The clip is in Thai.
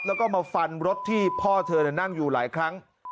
แล้วก็มาฟันรถที่พ่อเธอนั่งอยู่หลายครั้ง